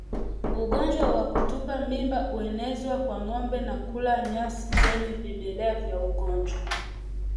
Ugonjwa wa kutupa mimba huenezwa kwa ngombe kwa kula nyasi zenye vimelea vya ugonjwa